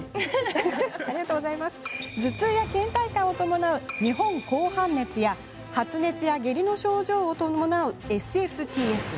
頭痛やけん怠感を伴う日本紅斑熱や発熱や下痢の症状を伴うＳＦＴＳ。